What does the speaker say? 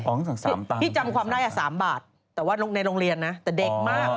อ๋อคือ๓ตังค์พี่จำความได้๓บาทแต่ว่าในโรงเรียนนะแต่เด็กมาก